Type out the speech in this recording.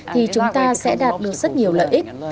thì chúng ta sẽ đạt được rất nhiều lợi ích